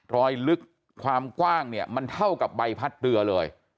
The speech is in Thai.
รอยลึกความกว้างเนี่ยมันเท่ากับใบพัดเรือเลย